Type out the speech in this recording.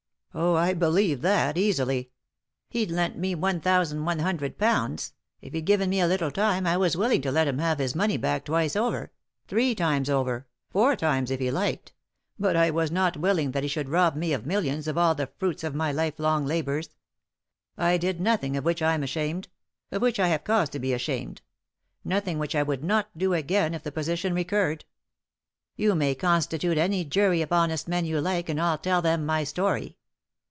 " Oh, I believe that— easily." " He'd lent me £1,100 ; if he'd given me a little time I was willing to let him have his money back twice over ; three times over ; four times, if he liked— R 257 3i 9 iii^d by Google THE INTERRUPTED KISS but I was not willing that he should rob me of millions, of all the fruits of my life long labours. I did nothing of which I am ashamed ; of which I have cause to be ashamed — nothing which I would not do again if the position recurred Yon may constitute any jury of honest men you like, and I'll tell them my story.